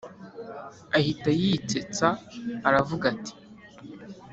ahita yitsetsa aravuga ati